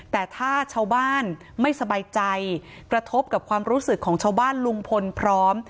แต่ถ้าชาวบ้านไม่สบายใจกระทบกับความรู้สึกของชาวบ้านลุงพลพร้อม